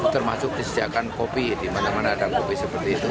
termasuk disediakan kopi di mana mana ada kopi seperti itu